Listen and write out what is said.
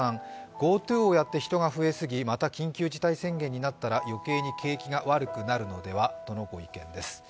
ＧｏＴｏをやって人が増えすぎ、また緊急事態宣言になったら、余計に景気が悪くなるのではとのご意見です。